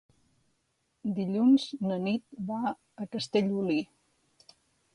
Dilluns na Nit va a Castellolí.